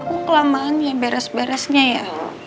oh kelamaan ya beres beresnya ya